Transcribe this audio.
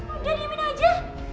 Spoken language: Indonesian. udah diamin aja